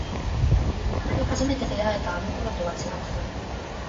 二人初めて出会えたあの頃とは違くても